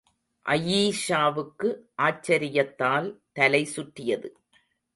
அயீஷாவுக்கு ஆச்சரியத்தால் தலை சுற்றியது.